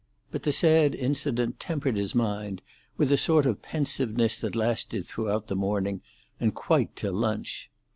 But the sad incident tempered his mind with a sort of pensiveness that lasted throughout the morning, and quite till lunch.